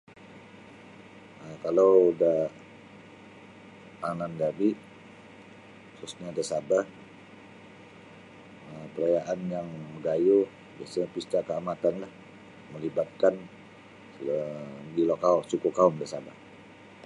um Kalau da anan jami' khususnyo da Sabah um parayaan yang magayuh biasa'nyo pista Kaamatanlah malibatkan iyo mogilo kaum suku kaum da Sabah.